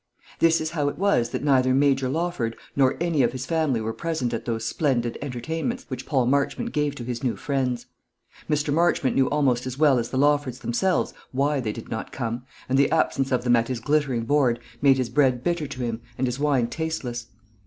This is how it was that neither Major Lawford nor any of his family were present at those splendid entertainments which Paul Marchmont gave to his new friends. Mr. Marchmont knew almost as well as the Lawfords themselves why they did not come, and the absence of them at his glittering board made his bread bitter to him and his wine tasteless.